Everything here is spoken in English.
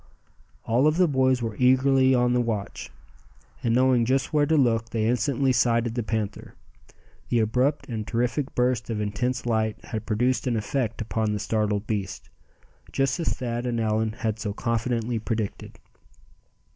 All of the boys were eagerly on the watch; and knowing just where to look they instantly sighted the panther. The abrupt and terrific burst of intense light had produced an effect upon the startled beast, just as Thad and Allan had so confidently predicted.